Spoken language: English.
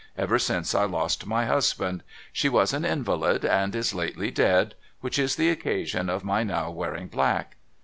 Ever since I lost my husband. She was an invalid, and is lately dead : which is the occasion of my now wearing black.'